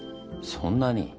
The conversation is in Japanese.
そんなに？